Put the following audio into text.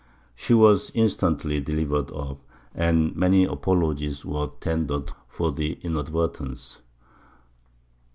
She was instantly delivered up, and many apologies were tendered for the inadvertence.